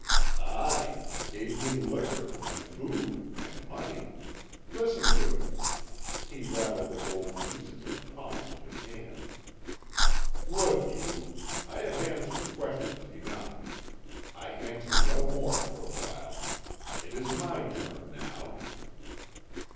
"Aye and gave me liquor, and food, and money. Listen to it." He rattled the gold pieces in the palms of his hands. "Look you. I have answered questions enough. I answer no more for a while. It is my turn now."